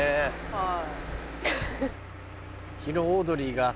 はい。